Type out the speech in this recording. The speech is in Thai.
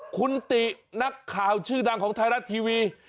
คุณตินักข่าวชื่อดังของไทยรัฐทีวี